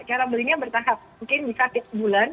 cara belinya bertahap mungkin bisa tiap bulan